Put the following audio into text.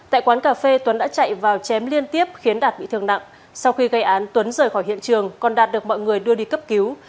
tại quán cà phê tuấn đã chạy vào chém liên tiếp khiến đạt bị thương nặng sau khi gây án tuấn rời khỏi hiện trường còn đạt được mọi người đưa đi cấp cứu